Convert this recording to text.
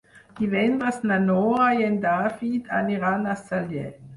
Divendres na Nora i en David aniran a Sallent.